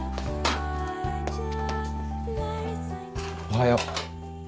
おはよう。